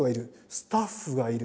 スタッフがいる。